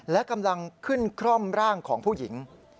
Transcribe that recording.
และกำลังขึ้นคร่อมร่างของผู้หญิง